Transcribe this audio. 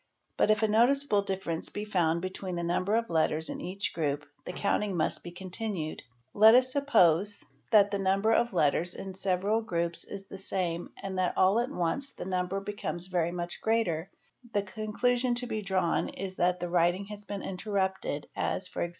But if a noticeable difference be found between the number of letters in each group, the counting must be continued ; let us suppose that the number of letters in several groups is the same and that all at once the number becomes very much greater, the con clusion to be drawn is that the writing has been interrupted as e.g.